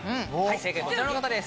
正解はこちらの方です。